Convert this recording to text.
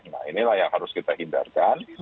nah inilah yang harus kita hindarkan